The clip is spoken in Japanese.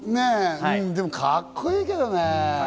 でも格好いいけどね。